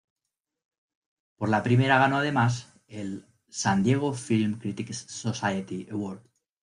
Por la primera ganó además el San Diego Film Critics Society Award.